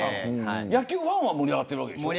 野球ファンは盛り上がってるわけでしょ。